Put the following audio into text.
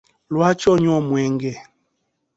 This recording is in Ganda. Lwaki onywa omwenge?